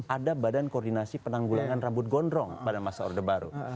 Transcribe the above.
ada badan koordinasi penanggulangan rambut gondrong pada masa orde baru